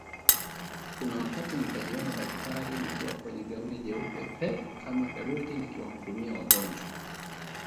kuna wakati nikajiona daktari nikiwa kwenye gauni jeupe pe kama theluji nikiwahudumia wagonjwa